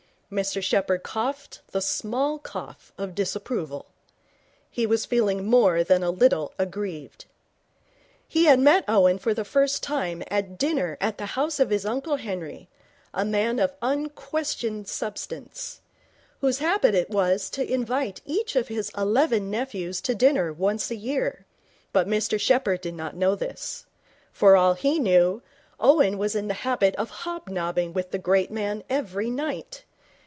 Mr Sheppherd coughed the small cough of disapproval. He was feeling more than a little aggrieved. He had met Owen for the first time at dinner at the house of his uncle Henry, a man of unquestioned substance, whose habit it was to invite each of his eleven nephews to dinner once a year. But Mr Sheppherd did not know this. For all he knew, Owen was in the habit of hobnobbing with the great man every night.